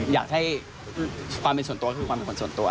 อยากให้ความเป็นส่วนตัวก็คือความเป็นคนส่วนตัว